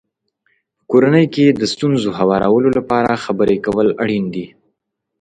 په کورنۍ کې د ستونزو هوارولو لپاره خبرې کول اړین دي.